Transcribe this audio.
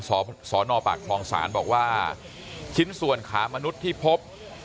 สสนปากคลองศาลบอกว่าชิ้นส่วนขามนุษย์ที่พบ